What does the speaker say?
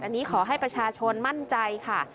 อันนี้ขอให้ประชาชนมั่นใจค่ะ